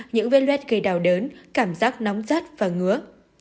những vết luet gây đau đớn cảm giác nóng rát và ngứa